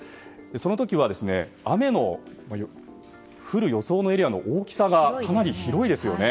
その時は、雨が降る予想のエリアの大きさがかなり広いですよね。